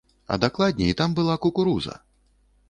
А дакладней, там была кукуруза!